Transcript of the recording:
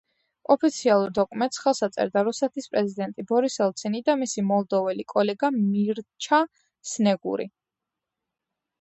ოფიციალურ დოკუმენტს ხელს აწერდა რუსეთის პრეზიდენტი ბორის ელცინი და მისი მოლდოველი კოლეგა მირჩა სნეგური.